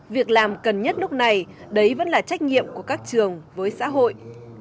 việc làm cần nhất lúc này đấy vẫn là trách nhiệm của các trường với xã hội